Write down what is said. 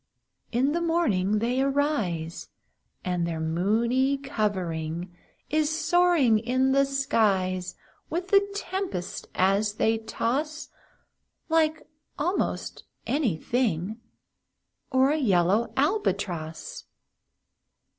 In the morning they arise, And their moony covering Is soaring in the skies, With the tempests as they toss, Like almost any thing Or a yellow Albatross.